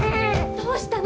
どうしたの？